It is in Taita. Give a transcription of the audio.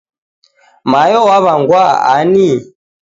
Mayo waw'angwa ani?